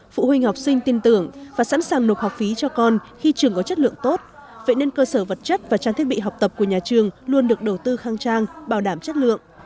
phụ huynh học sinh tin tưởng và sẵn sàng nộp học phí cho con khi trường có chất lượng tốt vậy nên cơ sở vật chất và trang thiết bị học tập của nhà trường luôn được đầu tư khang trang bảo đảm chất lượng